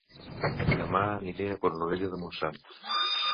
Dema aniré a Cornudella de Montsant